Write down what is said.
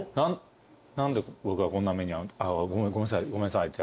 「何で僕がこんな目に遭う」あごめんなさいごめんなさいってなっちゃって。